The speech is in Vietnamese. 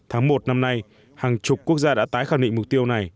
tháng một năm nay hàng chục quốc gia đã tái khẳng định mục tiêu này